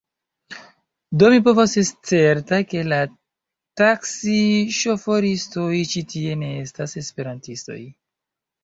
Do mi povas esti certa, ke la taksi-ŝoforistoj ĉi tie ne estas Esperantistoj.